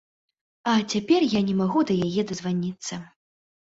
А цяпер я не магу да яе дазваніцца.